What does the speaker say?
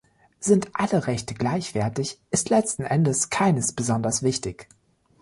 Sind alle Rechte gleichwertig, ist letzten Endes keines besonders wichtig.